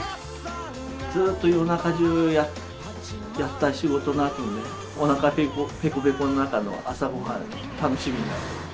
ずっと夜中やった仕事のあとでおなかペコペコの中の朝ごはん楽しみ。